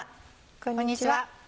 こんにちは。